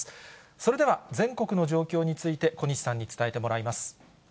それでは全国の状況について、小西さんに伝えてもらいます。